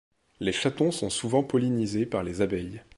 Les chatons sont souvent pollinisés par les abeilles.